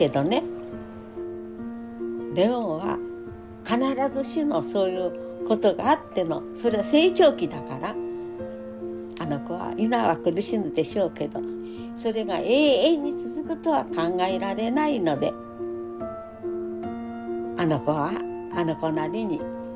麗桜は必ずしもそういうことがあってのそれは成長期だからあの子は今は苦しむでしょうけどそれが永遠に続くとは考えられないのであの子はあの子なりに生きていける。